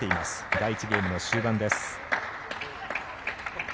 第１ゲームの終盤です。